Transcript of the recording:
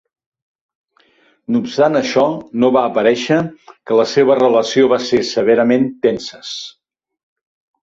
No obstant això, no va aparèixer que la seva relació va ser severament tenses.